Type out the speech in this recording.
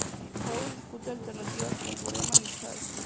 House discute alternativas con Foreman y Chase.